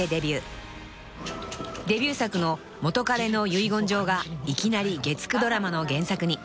［デビュー作の『元彼の遺言状』がいきなり月９ドラマの原作に］